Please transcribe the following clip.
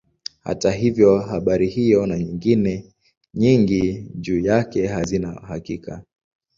Hata hivyo habari hiyo na nyingine nyingi juu yake hazina hakika.